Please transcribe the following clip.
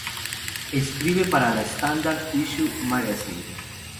Escribe para la "Standard Issue Magazine".